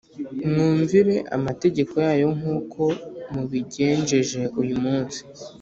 mwumvire amategeko yayo nk’uko mubigenjeje uyu munsi